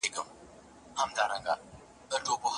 غازي امان الله خان د افغانستان د خپلواکۍ اتل وو.